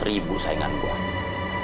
jadi kabar saya sama tuhan sama lu